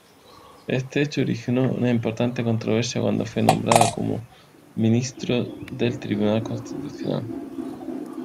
Este hecho originó una importante controversia cuando fue nombrado como Ministro del Tribunal Constitucional.